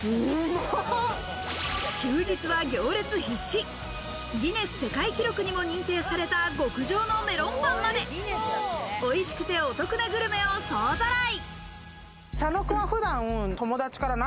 休日は行列必至、ギネス世界記録にも認定された極上のメロンパンまで、おいしくてお得なグルメを総ざらい。